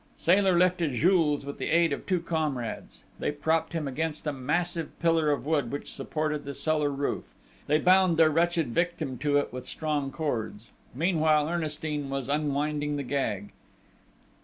Sailor lifted Jules with the aid of two comrades. They propped him against a massive pillar of wood which supported the cellar roof. They bound their wretched victim to it with strong cords. Meanwhile, Ernestine was unwinding the gag.